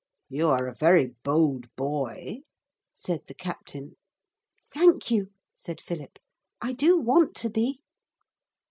'You are a very bold boy,' said the captain. 'Thank you,' said Philip. 'I do want to be.'